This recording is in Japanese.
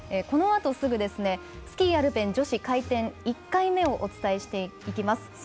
このあとすぐスキー・アルペン女子回転１回目をお伝えしていきます。